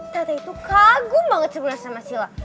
tata itu kagum banget sebenernya sama silla